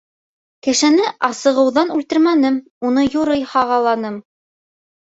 — Кешене асығыуҙан үлтермәнем, уны юрый һағаланым.